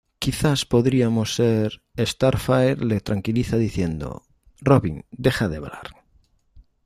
Quizás podríamos ser..." Starfire le tranquiliza diciendo: "Robin... deja de hablar.